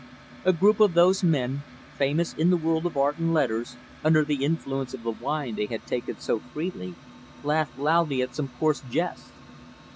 A group of those men famous in the world of art and letters under the influence of the wine they had taken so freely, laughed loudly at some coarse jest.